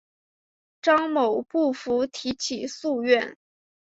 张某不服提起诉愿。